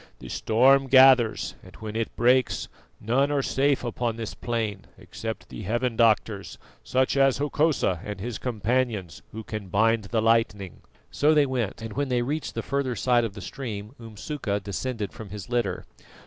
"The storm gathers, and when it breaks none are safe upon this plain except the heaven doctors such as Hokosa and his companions who can bind the lightning." So they went and when they reached the further side of the stream Umsuka descended from his litter.